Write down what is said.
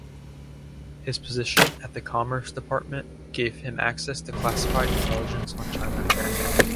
His position at the Commerce Department gave him access to classified intelligence on China.